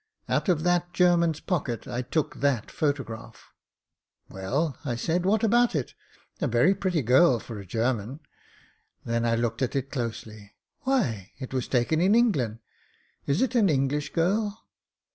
"Out of that German's pocket I took that photo graph." "Wdl," I said, "what about it? A very pretty girl for a German." Then I looked at it closely. "Why, it was taken in England Is it an English girl?"